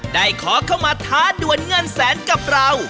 ได้ขอเข้ามาท้าด่วนเงินแสนกับเรา